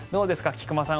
菊間さん